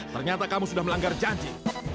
ternyata kamu sudah melanggar janji